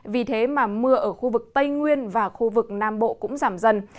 vì thế mà mưa ở khu vực tây nguyên và khu vực nam bộ cũng giảm dần